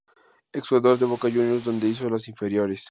Ex jugador de Boca Juniors, donde hizo las inferiores.